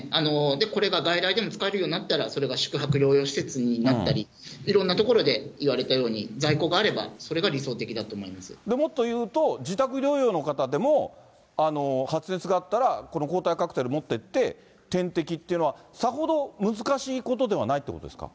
これが外来でも使えるようになったら、それが宿泊療養施設になったり、いろんなところでいわれたように在庫があれば、それが理想的だとでもっと言うと、自宅療養の方でも、発熱があったら、この抗体カクテル持ってって、点滴っていうのは、さほど難しいことではないってことですか。